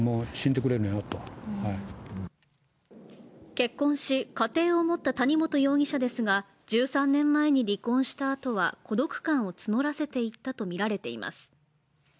結婚し家庭を持った谷本容疑者ですが１３年前に離婚したあとは孤独感を募らせていったとみられています。